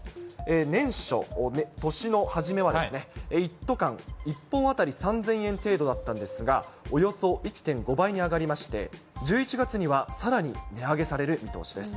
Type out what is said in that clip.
年初、年の初めは１斗缶１本当たり３０００円程度だったんですが、およそ１．５倍に上がりまして、１１月にはさらに値上げされる見通しです。